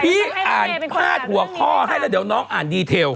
พี่อ่านพาดหัวข้อให้แล้วเดี๋ยวน้องอ่านดีเทล